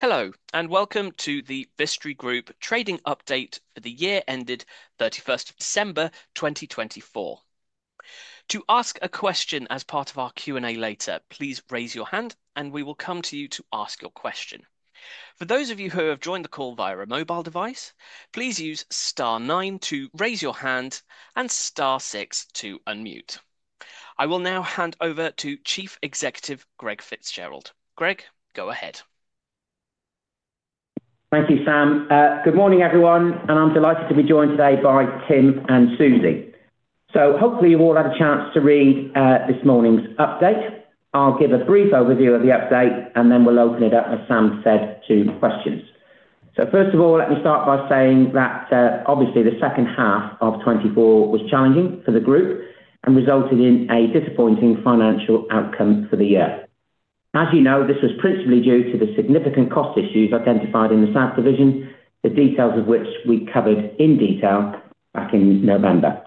Hello, and welcome to the Vistry Group trading update for the year ended 31st of December 2024. To ask a question as part of our Q&A later, please raise your hand, and we will come to you to ask your question. For those of you who have joined the call via a mobile device, please use star nine to raise your hand and star six to unmute. I will now hand over to Chief Executive Greg Fitzgerald. Greg, go ahead. Thank you, Sam. Good morning, everyone, and I'm delighted to be joined today by Tim and Susie. So hopefully you've all had a chance to read this morning's update. I'll give a brief overview of the update, and then we'll open it up, as Sam said, to questions. So first of all, let me start by saying that obviously the second half of 2024 was challenging for the group and resulted in a disappointing financial outcome for the year. As you know, this was principally due to the significant cost issues identified in the South Division, the details of which we covered in detail back in November.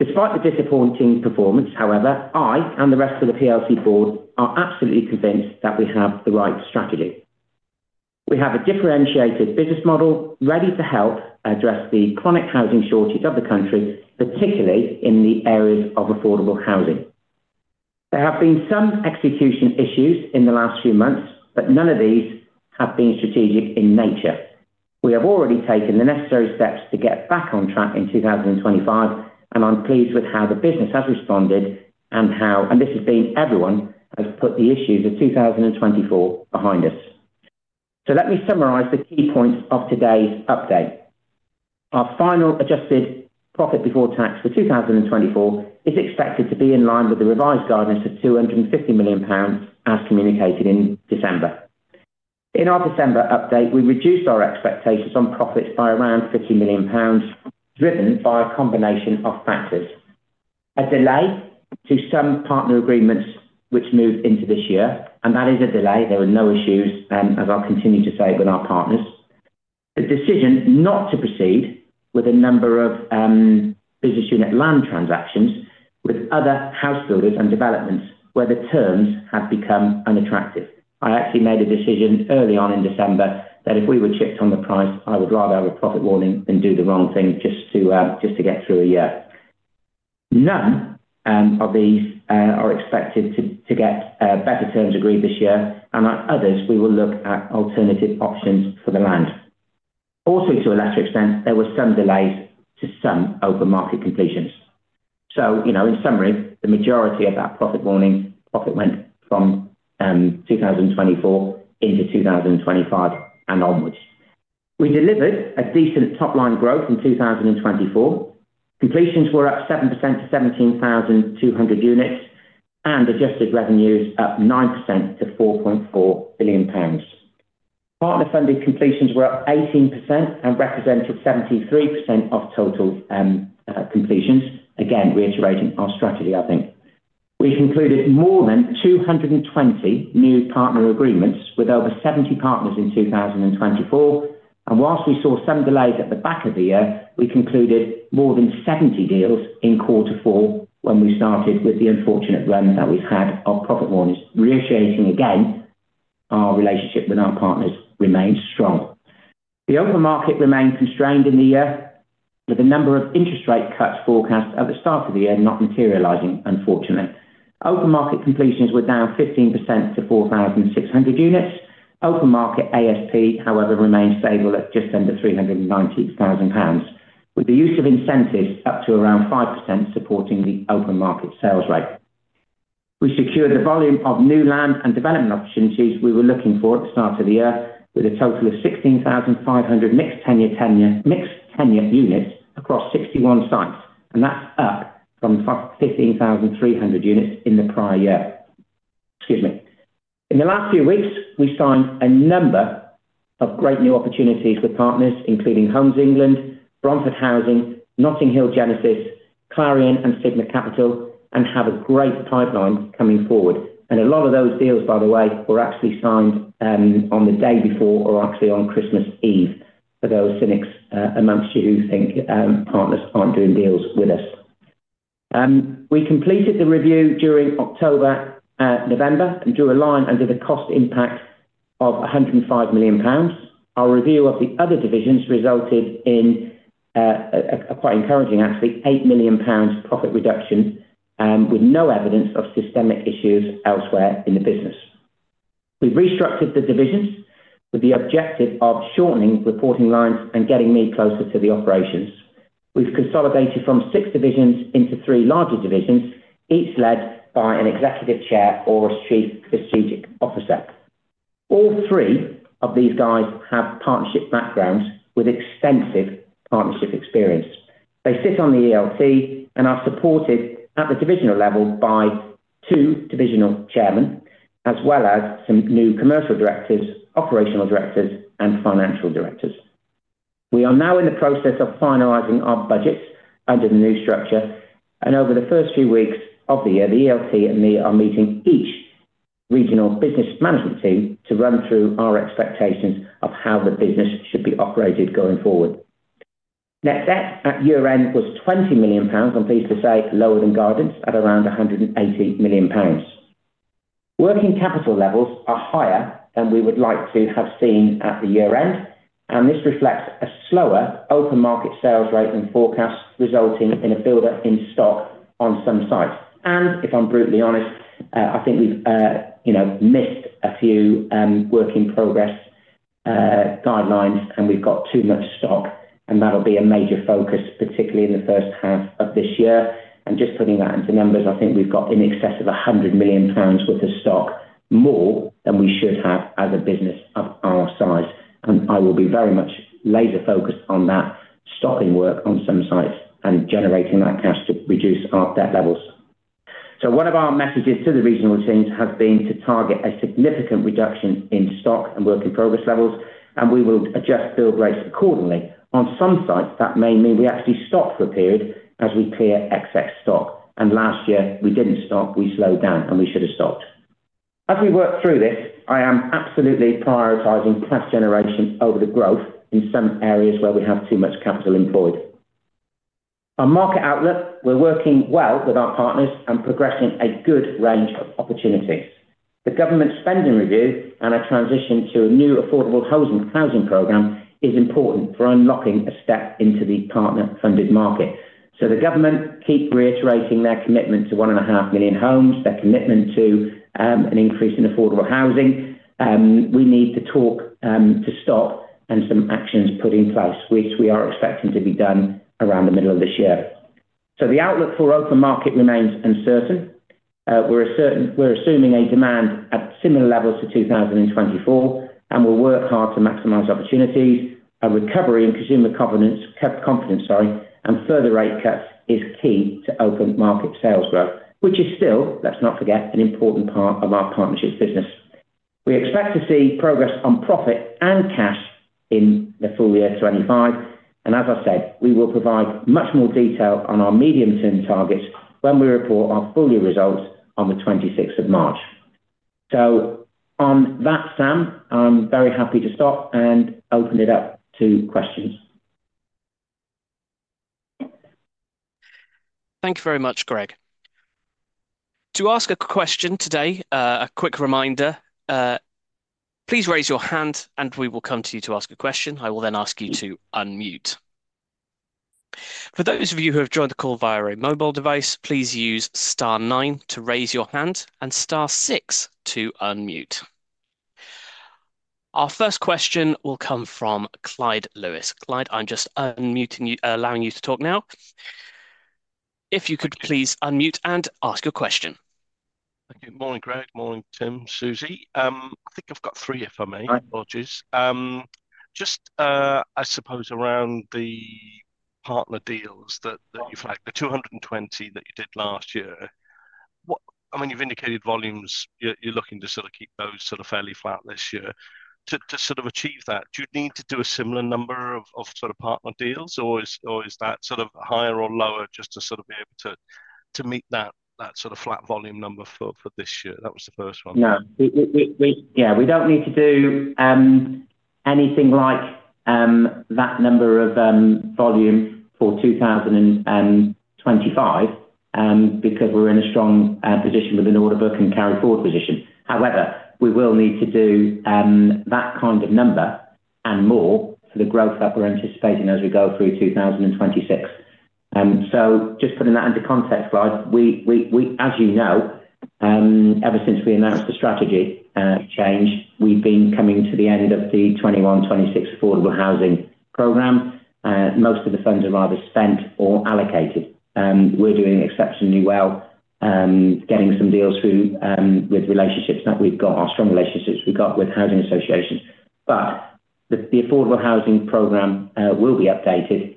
Despite the disappointing performance, however, I and the rest of the PLC board are absolutely convinced that we have the right strategy. We have a differentiated business model ready to help address the chronic housing shortage of the country, particularly in the areas of affordable housing. There have been some execution issues in the last few months, but none of these have been strategic in nature. We have already taken the necessary steps to get back on track in 2025, and I'm pleased with how the business has responded, and this has been, everyone has put the issues of 2024 behind us. So let me summarize the key points of today's update. Our final adjusted profit before tax for 2024 is expected to be in line with the revised guidance of 250 million pounds as communicated in December. In our December update, we reduced our expectations on profits by around 50 million pounds, driven by a combination of factors: a delay to some partner agreements which moved into this year, and that is a delay. There were no issues, and as I'll continue to say with our partners, the decision not to proceed with a number of business unit land transactions with other house builders and developments where the terms have become unattractive. I actually made a decision early on in December that if we were chipped on the price, I would rather have a profit warning than do the wrong thing just to get through a year. None of these are expected to get better terms agreed this year, and others we will look at alternative options for the land. Also, to a lesser extent, there were some delays to some open market completions. So, you know, in summary, the majority of that profit warning profit went from 2024 into 2025 and onwards. We delivered a decent top-line growth in 2024. Completions were up 7% to 17,200 units and adjusted revenues up 9% to 4.4 billion pounds. Partner-funded completions were up 18% and represented 73% of total completions. Again, reiterating our strategy, I think we concluded more than 220 new partner agreements with over 70 partners in 2024. And whilst we saw some delays at the back of the year, we concluded more than 70 deals in quarter four when we started with the unfortunate run that we've had of profit warnings, reassuring again our relationship with our partners remained strong. The open market remained constrained in the year with a number of interest rate cuts forecast at the start of the year not materializing, unfortunately. Open market completions were down 15% to 4,600 units. Open market ASP, however, remained stable at just under 390,000 pounds with the use of incentives up to around 5% supporting the open market sales rate. We secured the volume of new land and development opportunities we were looking for at the start of the year with a total of 16,500 mixed tenure units across 61 sites, and that's up from 15,300 units in the prior year. Excuse me. In the last few weeks, we signed a number of great new opportunities with partners, including Homes England, Bromford, Notting Hill Genesis, Clarion and Sigma Capital, and have a great pipeline coming forward, and a lot of those deals, by the way, were actually signed on the day before or actually on Christmas Eve for those cynics among you who think partners aren't doing deals with us. We completed the review during October and November and drew a line under the cost impact of 105 million pounds. Our review of the other divisions resulted in a quite encouraging, actually, 8 million pounds profit reduction with no evidence of systemic issues elsewhere in the business. We've restructured the divisions with the objective of shortening reporting lines and getting me closer to the operations. We've consolidated from six divisions into three larger divisions, each led by an executive chair or a chief strategic officer. All three of these guys have partnership backgrounds with extensive partnership experience. They sit on the ELT and are supported at the divisional level by two divisional chairmen, as well as some new commercial directors, operational directors, and financial directors. We are now in the process of finalizing our budgets under the new structure, and over the first few weeks of the year, the ELT and me are meeting each regional business management team to run through our expectations of how the business should be operated going forward. Net debt at year-end was 20 million pounds. I'm pleased to say lower than guidance at around 180 million pounds. Working capital levels are higher than we would like to have seen at the year-end, and this reflects a slower open market sales rate than forecast, resulting in a build in stock on some sites, and if I'm brutally honest, I think we've, you know, missed a few work in progress guidelines, and we've got too much stock, and that'll be a major focus, particularly in the first half of this year. And just putting that into numbers, I think we've got in excess of 100 million pounds worth of stock more than we should have as a business of our size. And I will be very much laser-focused on that stock and WIP on some sites and generating that cash to reduce our debt levels. So one of our messages to the regional teams has been to target a significant reduction in stock and work in progress levels, and we will adjust build rates accordingly. On some sites, that may mean we actually stop for a period as we clear excess stock. And last year, we didn't stop. We slowed down, and we should have stopped. As we work through this, I am absolutely prioritizing cash generation over the growth in some areas where we have too much capital employed. Our market outlook: we're working well with our partners and progressing a good range of opportunities. The government spending review and a transition to a new affordable housing program is important for unlocking a step into the partner-funded market. The government keeps reiterating their commitment to one and a half million homes, their commitment to an increase in affordable housing. We need the talks to stop and some actions put in place, which we are expecting to be done around the middle of this year. The outlook for open market remains uncertain. We're assuming a demand at similar levels to 2024, and we'll work hard to maximize opportunities. A recovery in consumer confidence, sorry, and further rate cuts is key to open market sales growth, which is still, let's not forget, an important part of our partnerships business. We expect to see progress on profit and cash in the full year 2025. And as I said, we will provide much more detail on our medium-term targets when we report our full year results on the 26th of March. So on that, Sam, I'm very happy to stop and open it up to questions. Thank you very much, Greg. To ask a question today, a quick reminder: please raise your hand, and we will come to you to ask a question. I will then ask you to unmute. For those of you who have joined the call via a mobile device, please use star nine to raise your hand and star six to unmute. Our first question will come from Clyde Lewis. Clyde, I'm just unmuting you, allowing you to talk now. If you could please unmute and ask your question. Good morning, Greg. Morning, Tim, Susie. I think I've got three if I may. Great. Apologies. Just, I suppose, around the partner deals that you've had, the 220 that you did last year. I mean, you've indicated volumes. You're looking to sort of keep those sort of fairly flat this year. To sort of achieve that, do you need to do a similar number of sort of partner deals, or is that sort of higher or lower just to sort of be able to meet that sort of flat volume number for this year? That was the first one. Yeah. Yeah. We don't need to do anything like that number of volume for 2025 because we're in a strong position with an order book and carry forward position. However, we will need to do that kind of number and more for the growth that we're anticipating as we go through 2026. So just putting that into context, Clyde, as you know, ever since we announced the strategy change, we've been coming to the end of the 2021-2026 affordable housing program. Most of the funds are either spent or allocated. We're doing exceptionally well, getting some deals through with relationships that we've got, our strong relationships we've got with housing associations. But the affordable housing program will be updated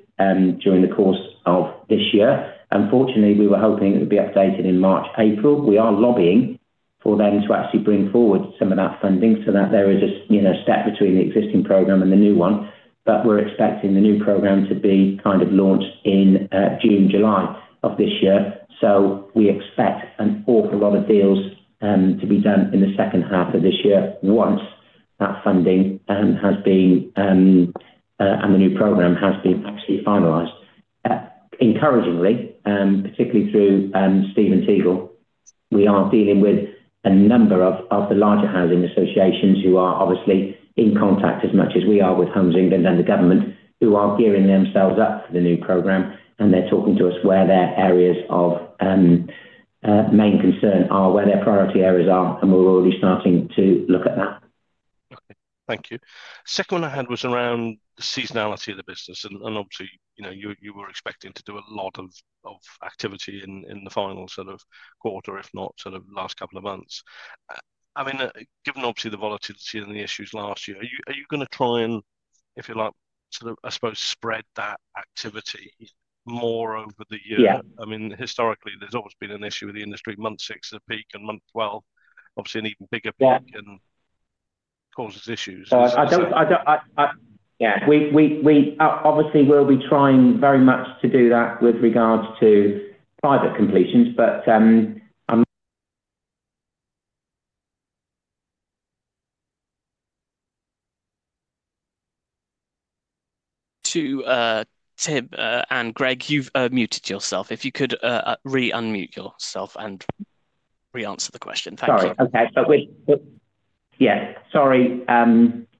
during the course of this year. Unfortunately, we were hoping it would be updated in March, April. We are lobbying for them to actually bring forward some of that funding so that there is a step between the existing program and the new one. But we're expecting the new program to be kind of launched in June, July of this year. So we expect an awful lot of deals to be done in the second half of this year once that funding has been and the new program has been actually finalized. Encouragingly, particularly through Stephen Teagle, we are dealing with a number of the larger housing associations who are obviously in contact as much as we are with Homes England and the government who are gearing themselves up for the new program, and they're talking to us where their areas of main concern are, where their priority areas are, and we're already starting to look at that. Okay. Thank you. Second one I had was around the seasonality of the business. And obviously, you were expecting to do a lot of activity in the final sort of quarter, if not sort of last couple of months. I mean, given obviously the volatility and the issues last year, are you going to try and, if you like, sort of, I suppose, spread that activity more over the year? Yeah. I mean, historically, there's always been an issue with the industry. Month six is a peak and month 12 obviously an even bigger peak and causes issues. Yeah. We obviously will be trying very much to do that with regards to private completions, but I'm. To Tim and Greg, you've muted yourself. If you could re-unmute yourself and re-answer the question. Thank you.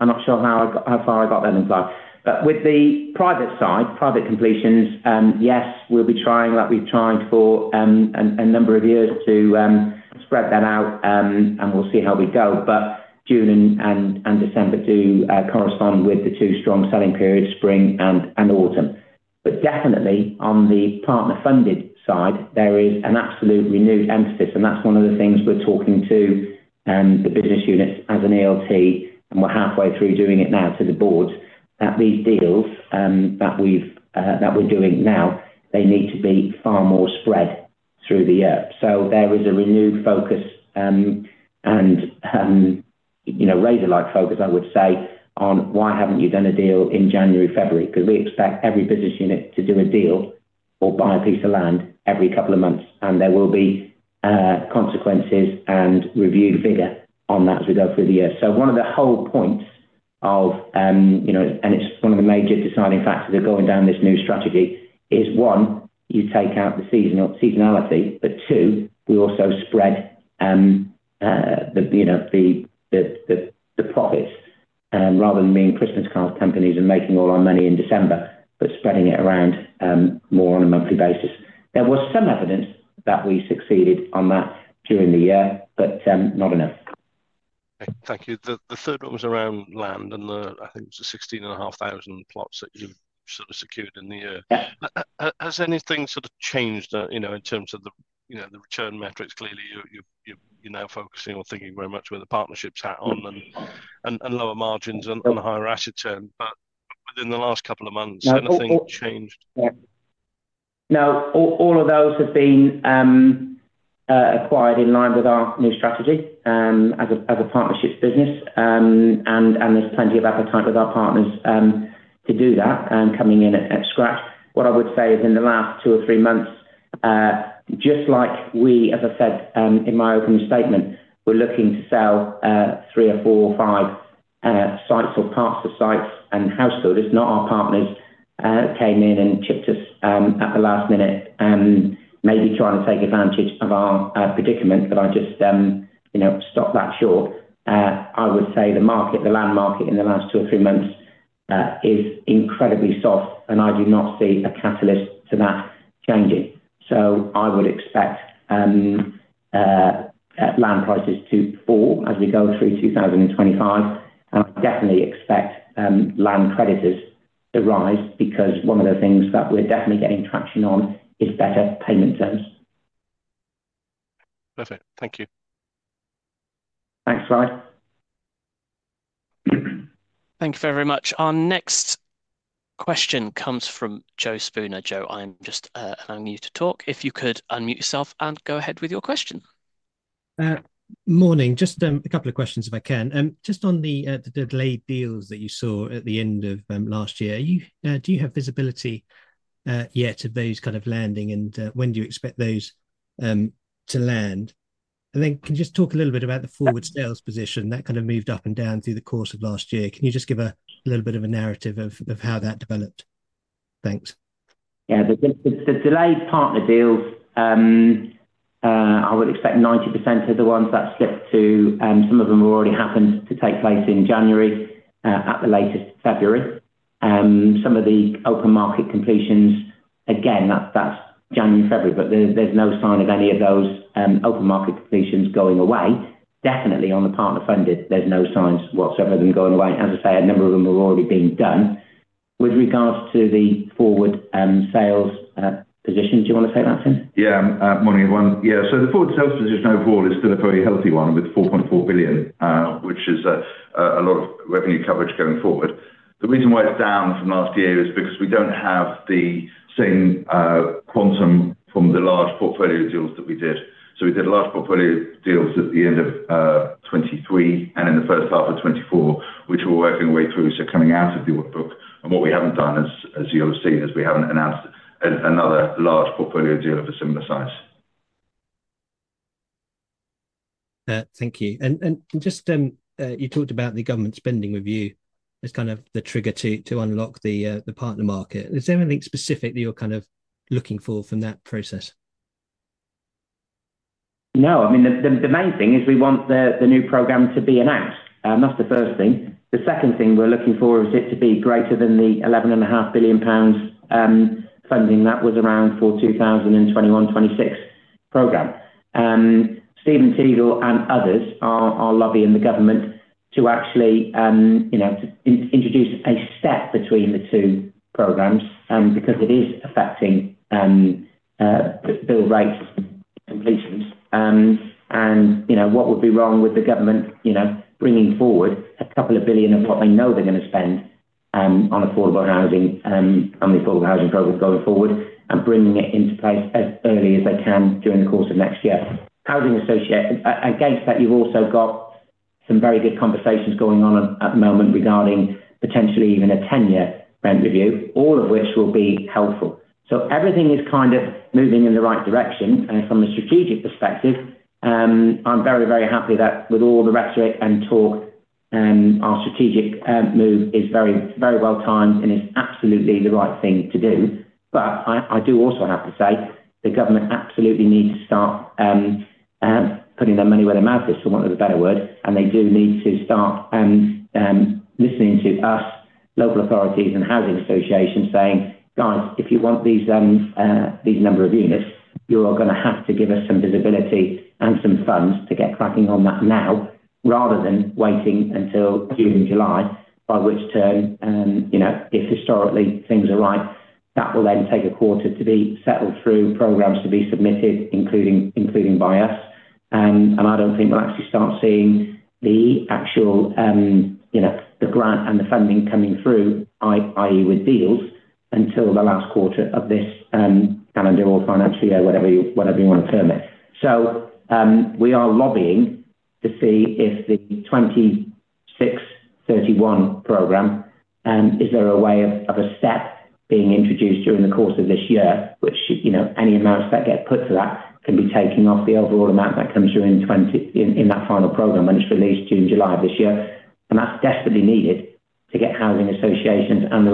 I'm not sure how far I got that in time. But with the private side, private completions, yes, we'll be trying like we've tried for a number of years to spread that out, and we'll see how we go. But June and December do correspond with the two strong selling periods, spring and autumn. But definitely, on the partner-funded side, there is an absolute renewed emphasis, and that's one of the things we're talking to the business units as an ELT, and we're halfway through doing it now to the boards, that these deals that we're doing now, they need to be far more spread through the year. So there is a renewed focus and razor-like focus, I would say, on why haven't you done a deal in January, February? Because we expect every business unit to do a deal or buy a piece of land every couple of months, and there will be consequences and reviewed vigor on that as we go through the year. So one of the whole points of, and it's one of the major deciding factors of going down this new strategy is, one, you take out the seasonality, but two, we also spread the profits rather than being Christmas card companies and making all our money in December, but spreading it around more on a monthly basis. There was some evidence that we succeeded on that during the year, but not enough. Okay. Thank you. The third one was around land, and I think it was the 16,500 plots that you've sort of secured in the year. Yeah. Has anything sort of changed in terms of the return metrics? Clearly, you're now focusing or thinking very much with the partnerships hat on and lower margins and higher asset turn. But within the last couple of months, anything changed? Yeah. Now, all of those have been acquired in line with our new strategy as a partnership business, and there's plenty of appetite with our partners to do that and coming in at scratch. What I would say is in the last two or three months, just like we, as I said in my opening statement, we're looking to sell three or four or five sites or parts of sites to house builders, not our partners, came in and chipped in at the last minute, maybe trying to take advantage of our predicament, but I just stopped that short. I would say the market, the land market in the last two or three months is incredibly soft, and I do not see a catalyst to that changing. So I would expect land prices to fall as we go through 2025, and I definitely expect land creditors to rise because one of the things that we're definitely getting traction on is better payment terms. Perfect. Thank you. Thanks, Clyde. Thank you very much. Our next question comes from Joe Spooner. Joe, I'm just allowing you to talk. If you could unmute yourself and go ahead with your question. Morning. Just a couple of questions, if I can. Just on the delayed deals that you saw at the end of last year, do you have visibility yet of those kind of landing, and when do you expect those to land? And then can you just talk a little bit about the forward sales position that kind of moved up and down through the course of last year? Can you just give a little bit of a narrative of how that developed? Thanks. Yeah. The delayed partner deals, I would expect 90% of the ones that slipped to some of them have already happened to take place in January at the latest February. Some of the open market completions, again, that's January, February, but there's no sign of any of those open market completions going away. Definitely, on the partner-funded, there's no signs whatsoever of them going away. As I say, a number of them have already been done. With regards to the forward sales position, do you want to say that, Tim? Yeah. Morning, everyone. Yeah. So the forward sales position overall is still a very healthy one with 4.4 billion, which is a lot of revenue coverage going forward. The reason why it's down from last year is because we don't have the same quantum from the large portfolio deals that we did. So we did large portfolio deals at the end of 2023 and in the first half of 2024, which we're working our way through. So coming out of the order book, and what we haven't done, as you'll have seen, is we haven't announced another large portfolio deal of a similar size. Thank you, and just you talked about the government spending review as kind of the trigger to unlock the partner market. Is there anything specific that you're kind of looking for from that process? No. I mean, the main thing is we want the new program to be announced. That's the first thing. The second thing we're looking for is it to be greater than the 11.5 billion pounds funding that was around for the 2021-2026 program. Stephen Teagle and others are lobbying the government to actually introduce a step between the two programs because it is affecting build rates completions. And what would be wrong with the government bringing forward a couple of billion of what they know they're going to spend on affordable housing, on the affordable housing program going forward, and bringing it into place as early as they can during the course of next year? Against that, you've also got some very good conversations going on at the moment regarding potentially even a 10-year rent review, all of which will be helpful. Everything is kind of moving in the right direction. From a strategic perspective, I'm very, very happy that with all the rhetoric and talk, our strategic move is very well timed and is absolutely the right thing to do. I do also have to say the government absolutely needs to start putting their money where their mouth is, for want of a better word. They do need to start listening to us, local authorities and housing associations saying, "Guys, if you want these number of units, you are going to have to give us some visibility and some funds to get cracking on that now rather than waiting until June, July, by which turn, if historically things are right, that will then take a quarter to be settled through programs to be submitted, including by us." I don't think we'll actually start seeing the actual grant and the funding coming through, i.e., with deals, until the last quarter of this calendar or financial year, whatever you want to term it. So we are lobbying to see if the 2026-2031 program, is there a way of a step being introduced during the course of this year, which any amounts that get put to that can be taken off the overall amount that comes through in that final program when it's released June/July of this year. And that's desperately needed to get housing associations and the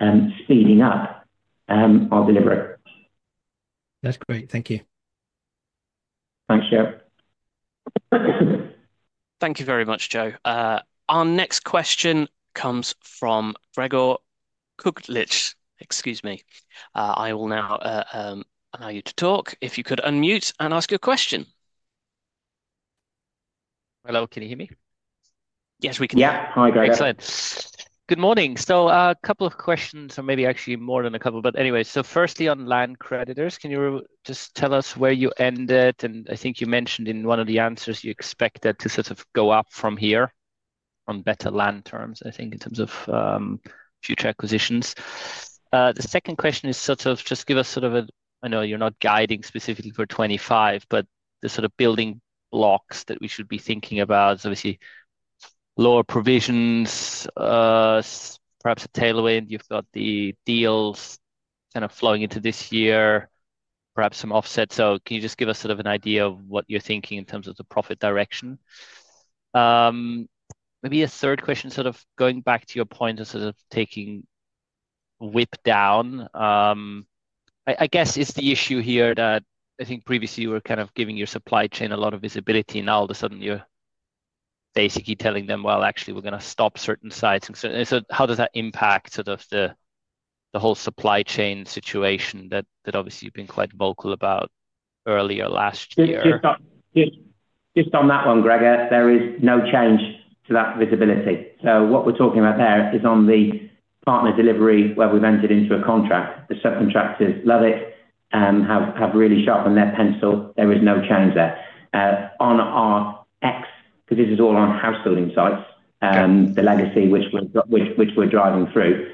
likes of ourselves speeding up our delivery. That's great. Thank you. Thanks, Joe. Thank you very much, Joe. Our next question comes from Gregor Kuglitsch. Excuse me. I will now allow you to talk. If you could unmute and ask your question. Hello. Can you hear me? Yes, we can. Yeah. Hi, Greg. Excellent. Good morning. So a couple of questions, or maybe actually more than a couple, but anyway. So firstly, on land creditors, can you just tell us where you ended? And I think you mentioned in one of the answers you expect that to sort of go up from here on better land terms, I think, in terms of future acquisitions. The second question is sort of just give us sort of a, I know you're not guiding specifically for 2025, but the sort of building blocks that we should be thinking about. Obviously, lower provisions, perhaps a tailwind. You've got the deals kind of flowing into this year, perhaps some offset. So can you just give us sort of an idea of what you're thinking in terms of the profit direction? Maybe a third question, sort of going back to your point of sort of taking WIP down? I guess is the issue here that I think previously you were kind of giving your supply chain a lot of visibility, and now all of a sudden you're basically telling them, "Well, actually, we're going to stop certain sites." And so how does that impact sort of the whole supply chain situation that obviously you've been quite vocal about earlier last year? Just on that one, Greg, there is no change to that visibility. So what we're talking about there is on the partner delivery where we've entered into a contract. The subcontractors love it and have really sharpened their pencil. There is no change there. On our end, because this is all on housebuilding sites, the legacy which we're driving through,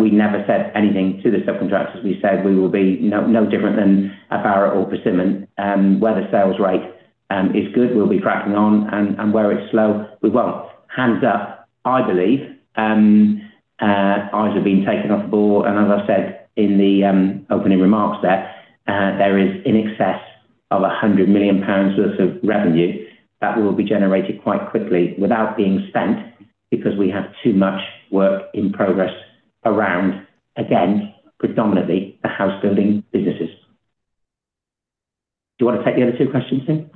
we never said anything to the subcontractors. We said we will be no different than a Barratt or Persimmon whether sales rate is good. We'll be cracking on, and where it's slow, we won't. Hands up, I believe. Eyes have been taken off the ball. And as I said in the opening remarks there, there is in excess of 100 million pounds worth of revenue that will be generated quite quickly without being spent because we have too much work in progress around, again, predominantly the house building businesses. Do you want to take the other two questions, Tim?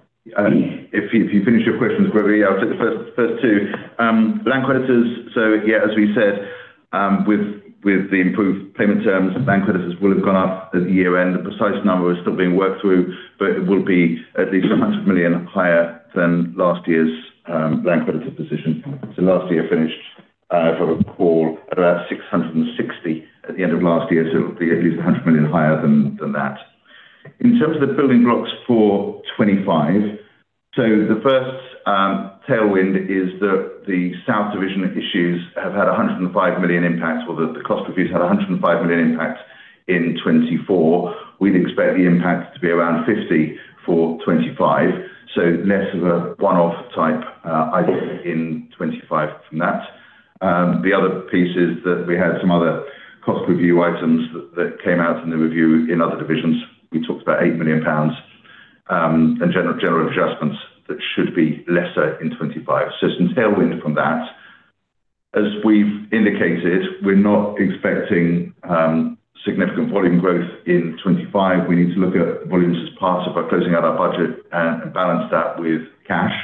If you finish your questions, Gregory, I'll take the first two. Land creditors, so yeah, as we said, with the improved payment terms, land creditors will have gone up at the year-end. The precise number is still being worked through, but it will be at least 100 million higher than last year's land creditor position, so last year finished, if I recall, at about 660 at the end of last year. So it'll be at least 100 million higher than that. In terms of the building blocks for 2025, so the first tailwind is that the South Division issues have had 105 million impact, or the cost reviews had 105 million impact in 2024. We'd expect the impact to be around 50 for 2025, so less of a one-off type item in 2025 from that. The other piece is that we had some other cost review items that came out in the review in other divisions. We talked about 8 million pounds and general adjustments that should be lesser in 2025. So some tailwind from that. As we've indicated, we're not expecting significant volume growth in 2025. We need to look at volumes as part of closing out our budget and balance that with cash.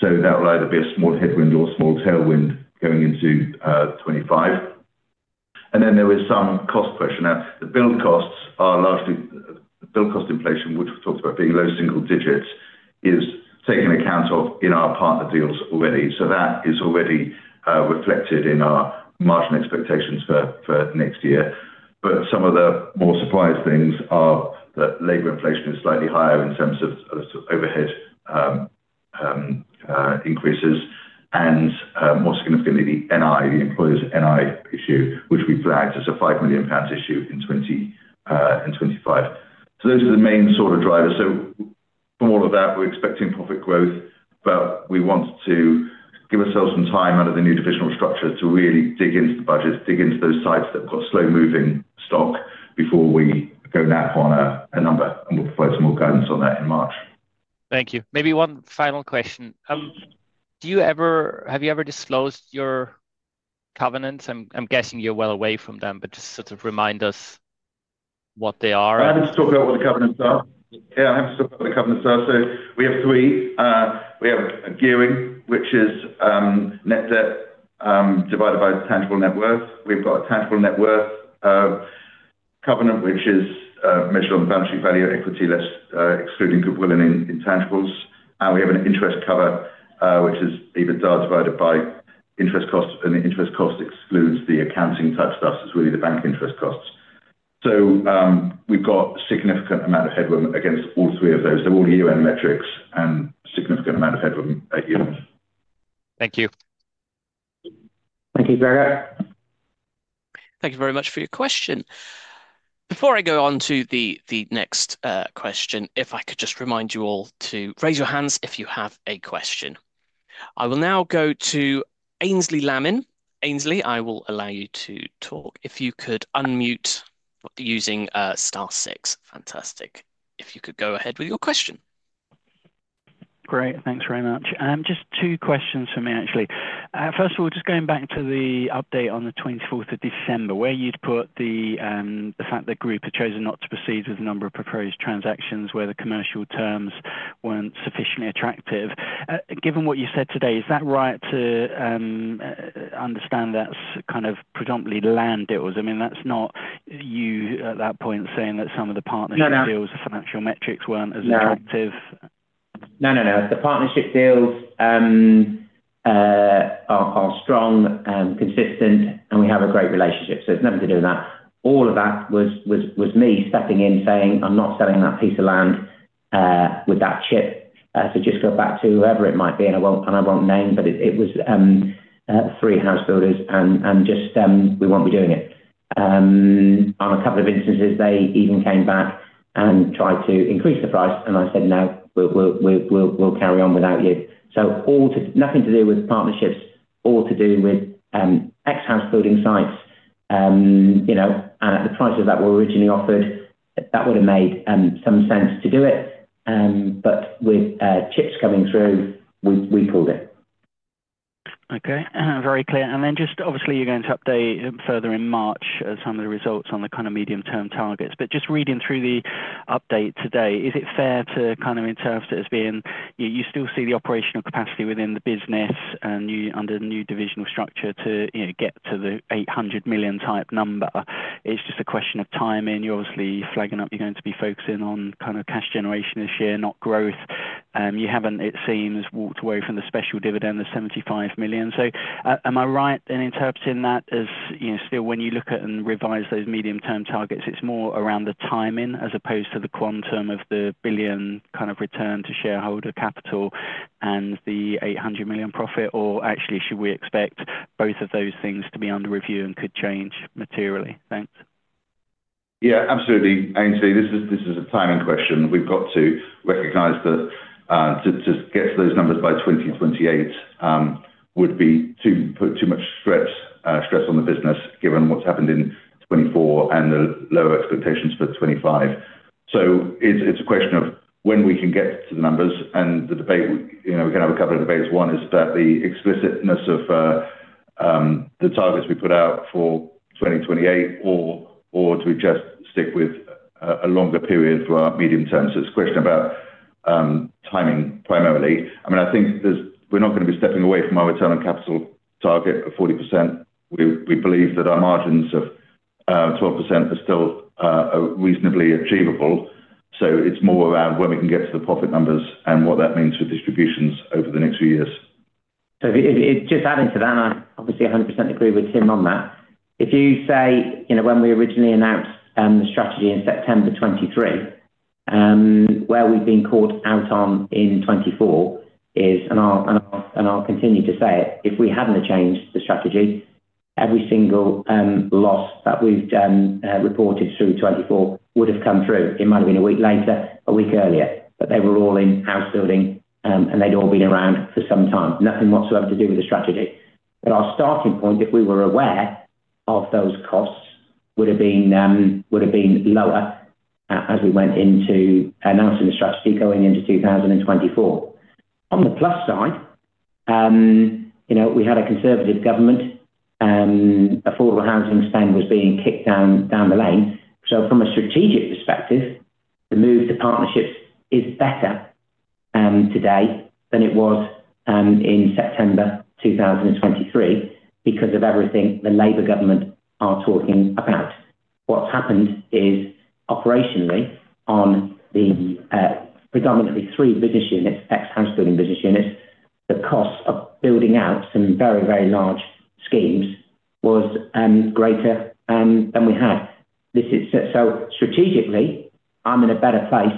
So that will either be a small headwind or small tailwind going into 2025. And then there is some cost pressure. Now, the build costs are largely the build cost inflation, which we talked about being low single digits, is taken account of in our partner deals already. So that is already reflected in our margin expectations for next year. But some of the more surprising things are that labor inflation is slightly higher in terms of overhead increases and, more significantly, the NI, the Employers' NI issue, which we flagged as a 5 million pounds issue in 2025. So those are the main sort of drivers. So from all of that, we're expecting profit growth, but we want to give ourselves some time out of the new divisional structure to really dig into the budgets, dig into those sites that've got slow-moving stock before we go nap on a number. And we'll provide some more guidance on that in March. Thank you. Maybe one final question. Have you ever disclosed your covenants? I'm guessing you're well away from them, but just sort of remind us what they are. I haven't spoken about what the covenants are. Yeah, I haven't spoken about what the covenants are. So we have three. We have gearing, which is net debt divided by tangible net worth. We've got a tangible net worth covenant, which is measured on the balance sheet value equity less, excluding goodwill and intangibles. And we have an interest cover, which is EBITDA divided by interest cost, and the interest cost excludes the accounting type stuff. So it's really the bank interest costs. So we've got a significant amount of headwind against all three of those. They're all year-end metrics and a significant amount of headwind at year-end. Thank you. Thank you, Gregor. Thank you very much for your question. Before I go on to the next question, if I could just remind you all to raise your hands if you have a question. I will now go to Aynsley Lammin. Aynsley, I will allow you to talk. If you could unmute using star six. Fantastic. If you could go ahead with your question. Great. Thanks very much. Just two questions for me, actually. First of all, just going back to the update on the 24th of December, where you'd put the fact that the group had chosen not to proceed with a number of proposed transactions where the commercial terms weren't sufficiently attractive. Given what you said today, is that right to understand that's kind of predominantly land deals? I mean, that's not you at that point saying that some of the partnership deals, the financial metrics weren't as attractive? No, no, no. The partnership deals are strong and consistent, and we have a great relationship. So it's nothing to do with that. All of that was me stepping in saying, "I'm not selling that piece of land with that WIP." So just go back to whoever it might be, and I won't name, but it was three house builders, and just, "We won't be doing it." On a couple of instances, they even came back and tried to increase the price, and I said, "No, we'll carry on without you." So nothing to do with partnerships, all to do with ex-house building sites. And at the price of that we originally offered, that would have made some sense to do it. But with WIPs coming through, we pulled it. Okay. Very clear. And then just obviously, you're going to update further in March some of the results on the kind of medium-term targets. But just reading through the update today, is it fair to kind of interpret it as being you still see the operational capacity within the business and under the new divisional structure to get to the 800 million type number? It's just a question of timing. You're obviously flagging up you're going to be focusing on kind of cash generation this year, not growth. You haven't, it seems, walked away from the special dividend of 75 million. So am I right in interpreting that as still when you look at and revise those medium-term targets, it's more around the timing as opposed to the quantum of the billion kind of return to shareholder capital and the 800 million profit? Or actually, should we expect both of those things to be under review and could change materially? Thanks. Yeah, absolutely. Aynsley, this is a timing question. We've got to recognize that to get to those numbers by 2028 would be too much stress on the business given what's happened in 2024 and the lower expectations for 2025, so it's a question of when we can get to the numbers, and the debate, we can have a couple of debates. One is about the explicitness of the targets we put out for 2028, or do we just stick with a longer period for our medium terms? So it's a question about timing primarily. I mean, I think we're not going to be stepping away from our return on capital target of 40%. We believe that our margins of 12% are still reasonably achievable, so it's more around when we can get to the profit numbers and what that means for distributions over the next few years. So just adding to that, I obviously 100% agree with Tim on that. If you say when we originally announced the strategy in September 2023, where we've been caught out on in 2024 is, and I'll continue to say it, if we hadn't changed the strategy, every single loss that we've reported through 2024 would have come through. It might have been a week later, a week earlier, but they were all in house building, and they'd all been around for some time. Nothing whatsoever to do with the strategy. But our starting point, if we were aware of those costs, would have been lower as we went into announcing the strategy going into 2024. On the plus side, we had a conservative government. Affordable housing spend was being kicked down the lane. So from a strategic perspective, the move to partnerships is better today than it was in September 2023 because of everything the Labour government are talking about. What's happened is operationally on the predominantly three business units, ex-house building business units, the cost of building out some very, very large schemes was greater than we had. So strategically, I'm in a better place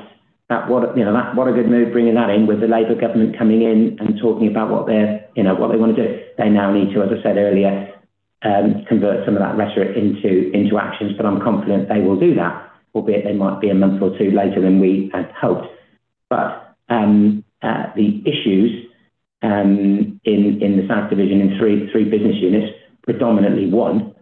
at what a good move bringing that in with the Labour government coming in and talking about what they want to do. They now need to, as I said earlier, convert some of that rhetoric into actions, but I'm confident they will do that, albeit they might be a month or two later than we had hoped. But the issues in the South Division in three business units, predominantly one,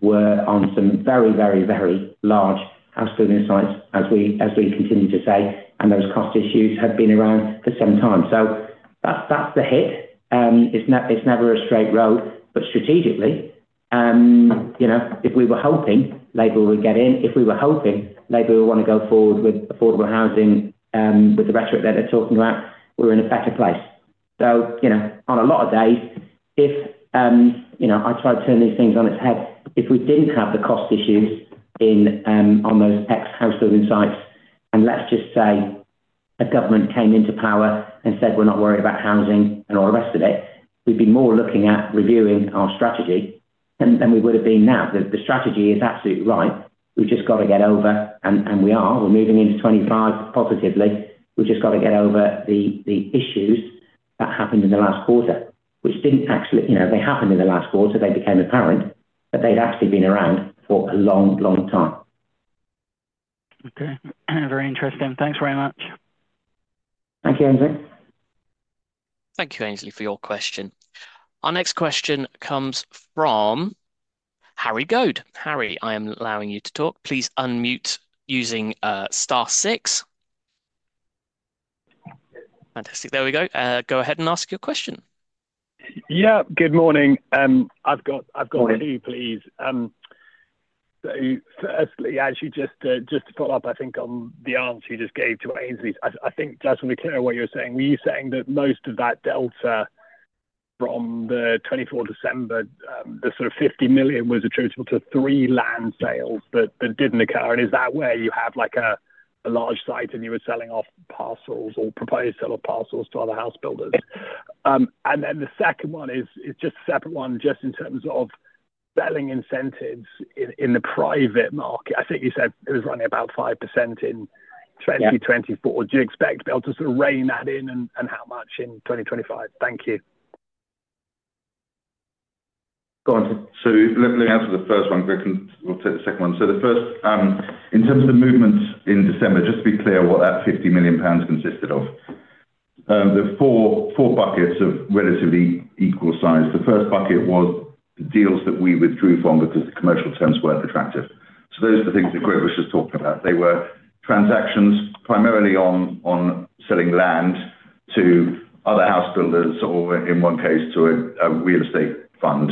were on some very, very, very large house building sites, as we continue to say, and those cost issues have been around for some time. So that's the hit. It's never a straight road, but strategically, if we were hoping Labour would get in, if we were hoping Labour would want to go forward with affordable housing with the rhetoric that they're talking about, we're in a better place. So on a lot of days, if I try to turn these things on its head, if we didn't have the cost issues on those ex-house building sites, and let's just say a government came into power and said, "We're not worried about housing and all the rest of it," we'd be more looking at reviewing our strategy than we would have been now. The strategy is absolutely right. We've just got to get over, and we are. We're moving into 2025 positively. We've just got to get over the issues that happened in the last quarter, which didn't actually, they happened in the last quarter. They became apparent, but they'd actually been around for a long, long time. Okay. Very interesting. Thanks very much. Thank you, Aynsley. Thank you, Aynsley, for your question. Our next question comes from Harry Goad. Harry, I am allowing you to talk. Please unmute using star six. Fantastic. There we go. Go ahead and ask your question. Yeah. Good morning. I've got you, please. So firstly, actually, just to follow up, I think, on the answer you just gave to Aynsley, I think that's going to be clear what you're saying. Were you saying that most of that delta from the 24th of December, the sort of 50 million, was attributable to three land sales that didn't occur? And is that where you have a large site and you were selling off parcels or proposed to sell off parcels to other house builders? Then the second one is just a separate one, just in terms of selling incentives in the private market. I think you said it was running about 5% in 2024. Do you expect to be able to sort of rein that in and how much in 2025? Thank you. So let me answer the first one, Greg, and we'll take the second one. So the first, in terms of the movements in December, just to be clear what that 50 million pounds consisted of, there were four buckets of relatively equal size. The first bucket was the deals that we withdrew from because the commercial terms weren't attractive. So those are the things that Greg was just talking about. They were transactions primarily on selling land to other house builders or, in one case, to a real estate fund.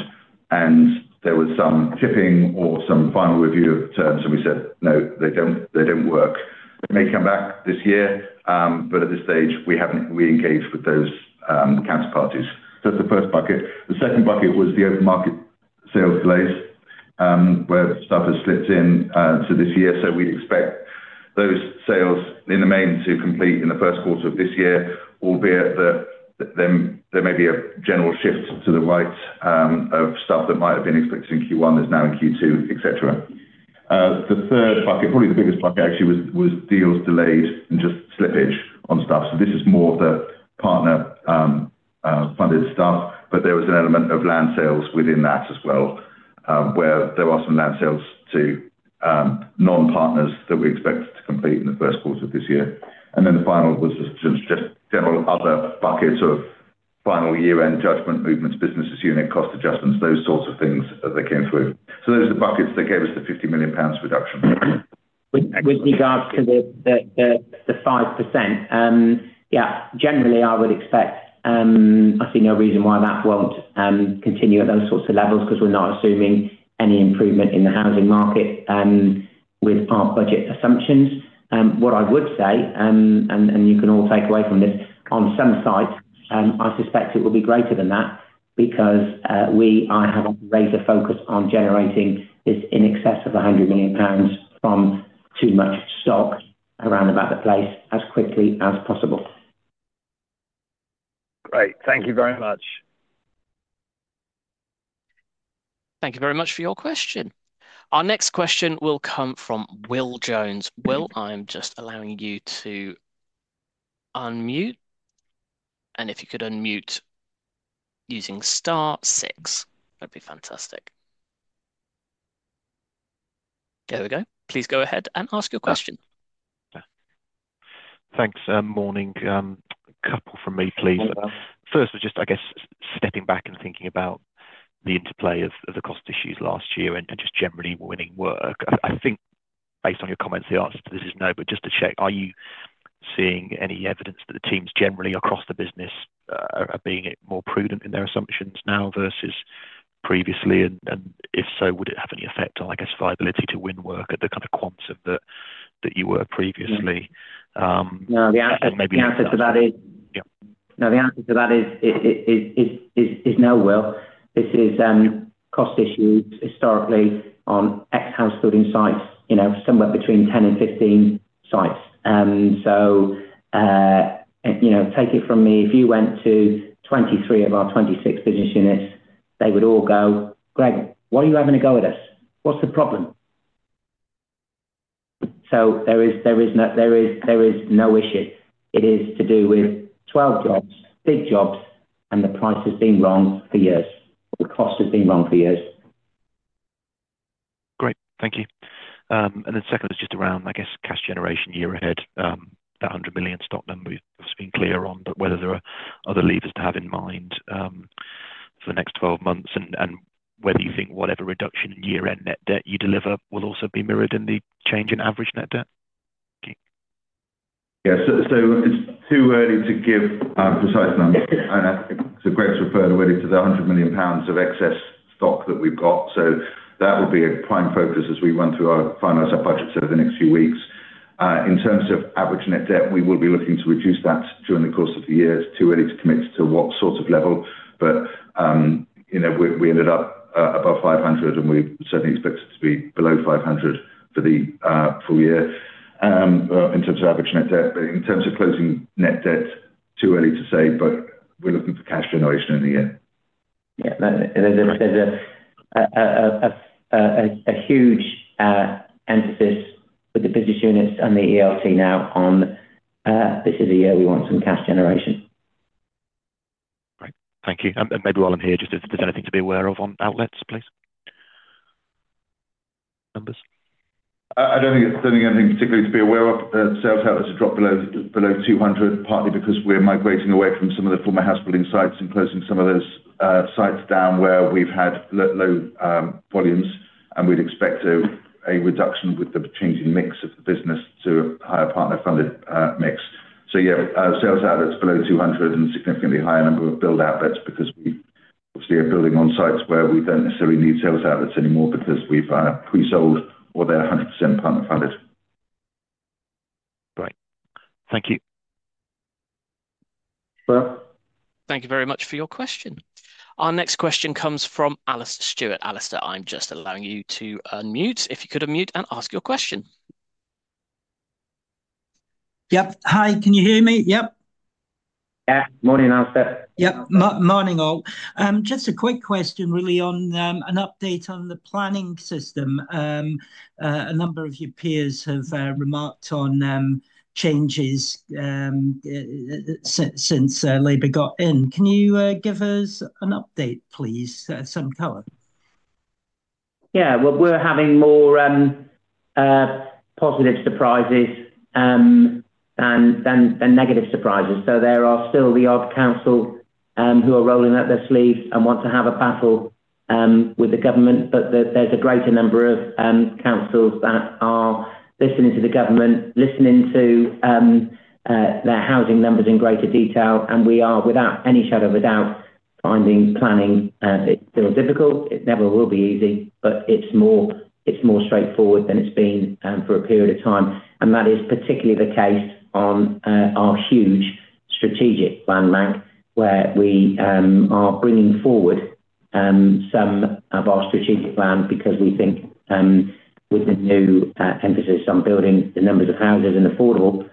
And there was some tipping or some final review of terms, and we said, "No, they don't work." They may come back this year, but at this stage, we engage with those counterparties. So that's the first bucket. The second bucket was the open market sales delays where stuff has slipped in to this year. So we expect those sales in the main to complete in the first quarter of this year, albeit that there may be a general shift to the right of stuff that might have been expected in Q1 that's now in Q2, etc. The third bucket, probably the biggest bucket, actually, was deals delayed and just slippage on stuff. So this is more of the partner-funded stuff, but there was an element of land sales within that as well, where there were some land sales to non-partners that we expected to complete in the first quarter of this year. And then the final was just general other buckets of final year-end judgment movements, business unit cost adjustments, those sorts of things that came through. So those are the buckets that gave us the 50 million pounds reduction. With regards to the 5%, yeah, generally, I would expect I see no reason why that won't continue at those sorts of levels because we're not assuming any improvement in the housing market with our budget assumptions. What I would say, and you can all take away from this, on some sites, I suspect it will be greater than that because we have raised a focus on generating this in excess of 100 million pounds from too much stock around about the place as quickly as possible. Great. Thank you very much. Thank you very much for your question. Our next question will come from Will Jones. Will, I'm just allowing you to unmute, and if you could unmute using star six, that'd be fantastic. There we go. Please go ahead and ask your question. Thanks. Morning. A couple from me, please. First was just, I guess, stepping back and thinking about the interplay of the cost issues last year and just generally winning work. I think based on your comments, the answer to this is no, but just to check, are you seeing any evidence that the teams generally across the business are being more prudent in their assumptions now versus previously? And if so, would it have any effect on, I guess, viability to win work at the kind of quantum that you were previously? No, the answer to that is no, Will. This is cost issues historically on ex-house building sites, somewhere between 10 and 15 sites. And so take it from me. If you went to 23 of our 26 business units, they would all go, "Greg, why are you having to go at us? What's the problem?" So there is no issue. It is to do with 12 jobs, big jobs, and the price has been wrong for years. The cost has been wrong for years. Great. Thank you, and then second is just around, I guess, cash generation year ahead, that 100 million stop number you've just been clear on, but whether there are other levers to have in mind for the next 12 months and whether you think whatever reduction in year-end net debt you deliver will also be mirrored in the change in average net debt? Yeah. So it's too early to give precise numbers, and I think it's a great reference to the 100 million pounds of excess stock that we've got. So that would be a prime focus as we run through our finalized budgets over the next few weeks. In terms of average net debt, we will be looking to reduce that during the course of the year. It's too early to commit to what sort of level, but we ended up above 500, and we certainly expect it to be below 500 for the full year in terms of average net debt. But in terms of closing net debt, too early to say, but we're looking for cash generation in the year. Yeah. There's a huge emphasis with the business units and the ELT now on, "This is a year we want some cash generation. Great. Thank you. And maybe while I'm here, just if there's anything to be aware of on outlets, please? Numbers? I don't think there's anything particularly to be aware of. Sales outlets have dropped below 200, partly because we're migrating away from some of the former house building sites and closing some of those sites down where we've had low volumes, and we'd expect a reduction with the changing mix of the business to a higher partner-funded mix. So yeah, sales outlets below 200 and a significantly higher number of build-out beds because we obviously are building on sites where we don't necessarily need sales outlets anymore because we've pre-sold or they're 100% partner-funded. Great. Thank you. Well. Thank you very much for your question. Our next question comes from Alastair Stewart. Alastair, I'm just allowing you to unmute if you could unmute and ask your question. Yep. Hi. Can you hear me? Yep. Yeah. Morning, Alastair. Yep. Morning, all. Just a quick question, really, on an update on the planning system. A number of your peers have remarked on changes since Labour got in. Can you give us an update, please, some color? Yeah. Well, we're having more positive surprises than negative surprises. So there are still the odd council who are rolling up their sleeves and want to have a battle with the government, but there's a greater number of councils that are listening to the government, listening to their housing numbers in greater detail, and we are, without any shadow of a doubt, finding planning is still difficult. It never will be easy, but it's more straightforward than it's been for a period of time. And that is particularly the case on our huge strategic land bank, where we are bringing forward some of our strategic plan because we think with the new emphasis on building the numbers of houses and affordable,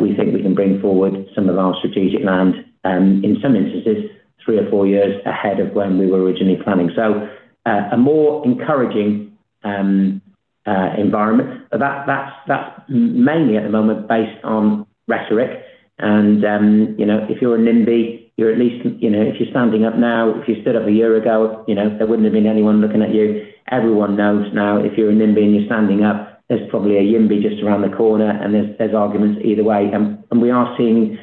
we think we can bring forward some of our strategic land in some instances three or four years ahead of when we were originally planning. A more encouraging environment. That's mainly at the moment based on rhetoric. And if you're a NIMBY, you're at least if you're standing up now, if you stood up a year ago, there wouldn't have been anyone looking at you. Everyone knows now if you're a NIMBY and you're standing up, there's probably a YIMBY just around the corner, and there's arguments either way. And we are seeing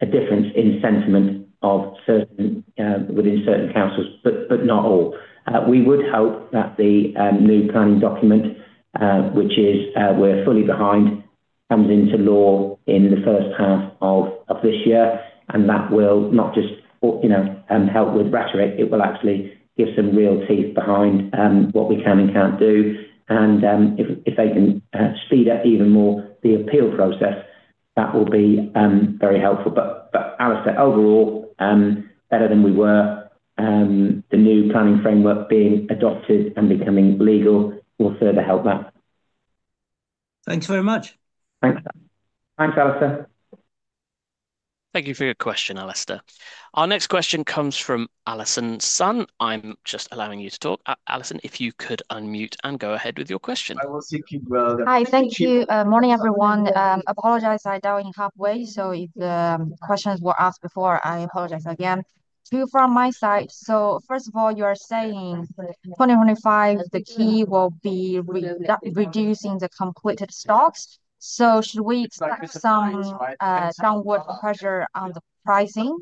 a difference in sentiment within certain councils, but not all. We would hope that the new planning document, which we're fully behind, comes into law in the first half of this year, and that will not just help with rhetoric. It will actually give some real teeth behind what we can and can't do. And if they can speed up even more the appeal process, that will be very helpful. But Alastair, overall, better than we were. The new planning framework being adopted and becoming legal will further help that. Thanks very much. Thanks. Thanks, Alastair. Thank you for your question, Alastair. Our next question comes from Allison Sun. I'm just allowing you to talk. Allison, if you could unmute and go ahead with your question. I will see if you can go. Hi. Thank you. Morning, everyone. Apologize. I joined halfway. So if questions were asked before, I apologize again. Two from my side. So first of all, you are saying 2025, the key will be reducing the completed stocks. So should we expect some downward pressure on the pricing?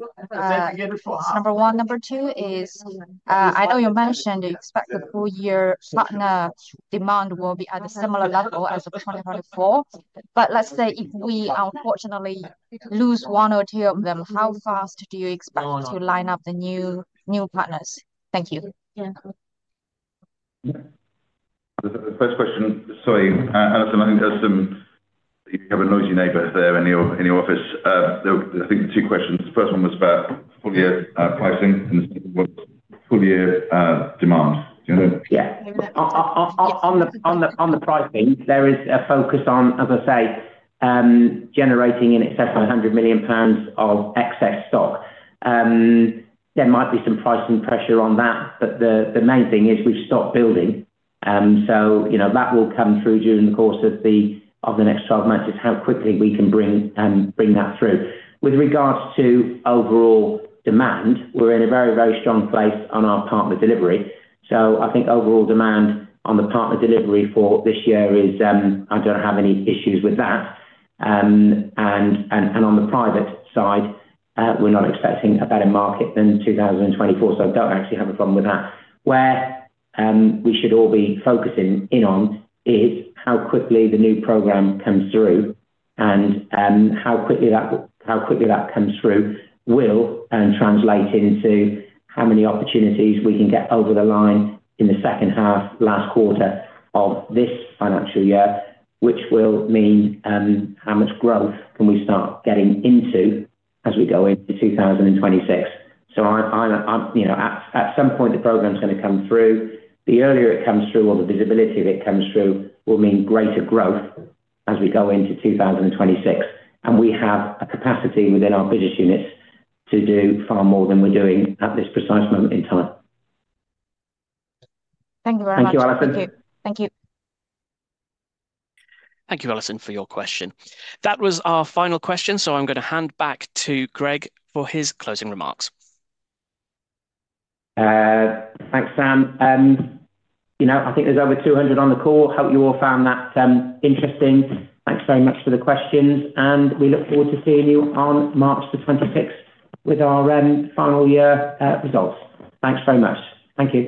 Number one. Number two is I know you mentioned you expect the full-year partner demand will be at a similar level as of 2024. But let's say if we, unfortunately, lose one or two of them, how fast do you expect to line up the new partners? Thank you. Yeah. First question. Sorry, Allison. I think there's some you have a noisy neighbor there in your office. I think the two questions, the first one was about full-year pricing, and the second one was full-year demand. Do you know? Yeah. On the pricing, there is a focus on, as I say, generating in excess of 100 million pounds of excess stock. There might be some pricing pressure on that, but the main thing is we've stopped building. So that will come through during the course of the next 12 months is how quickly we can bring that through. With regards to overall demand, we're in a very, very strong place on our partner delivery. So I think overall demand on the partner delivery for this year is I don't have any issues with that. And on the private side, we're not expecting a better market than 2024, so I don't actually have a problem with that. Where we should all be focusing in on is how quickly the new program comes through and how quickly that comes through will translate into how many opportunities we can get over the line in the second half, last quarter of this financial year, which will mean how much growth can we start getting into as we go into 2026, so at some point, the program's going to come through. The earlier it comes through or the visibility of it comes through will mean greater growth as we go into 2026, and we have a capacity within our business units to do far more than we're doing at this precise moment in time. Thank you very much. Thank you, Allison. Thank you. Thank you. Thank you, Allison, for your question. That was our final question. So I'm going to hand back to Greg for his closing remarks. Thanks, Sam. I think there's over 200 on the call. I hope you all found that interesting. Thanks very much for the questions, and we look forward to seeing you on March the 26th with our final year results. Thanks very much. Thank you.